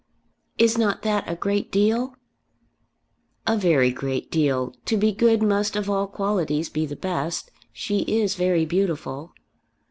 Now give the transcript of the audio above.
"Is not that a great deal?" "A very great deal. To be good must of all qualities be the best. She is very beautiful."